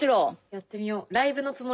やってみようん。